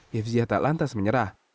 hibziyah tak lantas menyerah